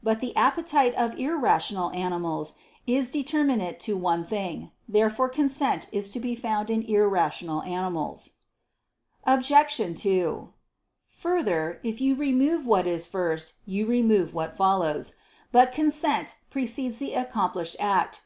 But the appetite of irrational animals is determinate to one thing. Therefore consent is to be found in irrational animals. Obj. 2: Further, if you remove what is first, you remove what follows. But consent precedes the accomplished act.